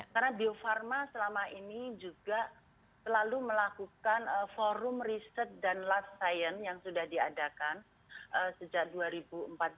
karena bio farma selama ini juga selalu melakukan forum riset dan lab science yang sudah diadakan sejak dua ribu empat belas